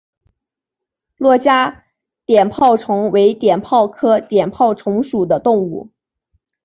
珞珈碘泡虫为碘泡科碘泡虫属的动物。